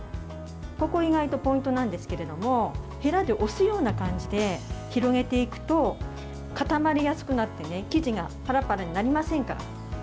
ここ意外とポイントなんですけどへらで押すような感じで広げていくと固まりやすくなって生地がパラパラになりませんから。